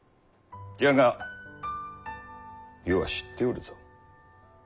じゃが余は知っておるぞ。